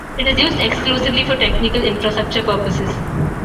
It is used exclusively for technical infrastructure purposes.